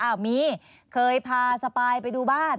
มีเคยพาสปายไปดูบ้าน